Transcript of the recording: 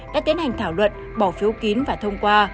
đã tiến hành thảo luận bỏ phiếu kín và thông qua